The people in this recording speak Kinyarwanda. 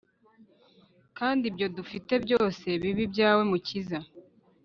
Kandi ibyo dufite byose bibe ibyawe mukiza